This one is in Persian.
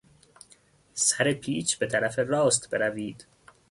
سر پیچ به طرف راست بروید.